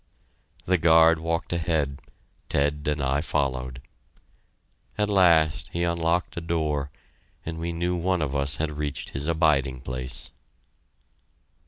The guard walked ahead; Ted and I followed. At last he unlocked a door, and we knew one of us had reached his abiding place.